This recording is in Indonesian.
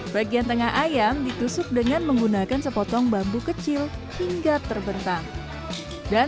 bagian tengah ayam ditusuk dengan menggunakan sepotong bambu kecil hingga terbentang dan